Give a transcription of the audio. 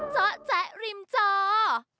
เจ้าแจ๊ะริมเจ้า